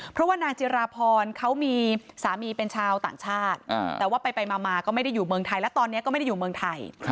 เพราะว่านางจิราพรเขามีสามีเป็นชาวต่างชาติแต่ว่าไปมาก็ไม่ได้อยู่เมืองไทยและตอนนี้ก็ไม่ได้อยู่เมืองไทย